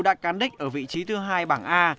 đã cán đích ở vị trí thứ hai bảng a